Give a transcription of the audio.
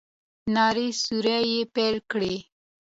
نارې سورې يې پيل کړې.